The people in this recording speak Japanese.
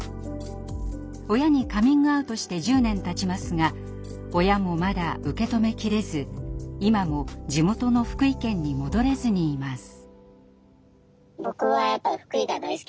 親にカミングアウトして１０年たちますが親もまだ受け止めきれず今も地元の福井県に戻れずにいます。